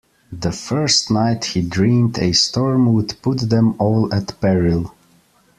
The first night he dreamed a storm would put them all at peril.